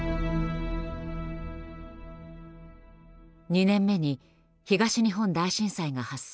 ２年目に東日本大震災が発生。